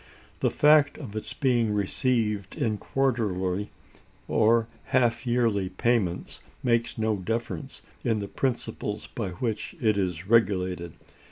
The fact of its being received in quarterly or half yearly payments makes no difference in the principles by which it is regulated.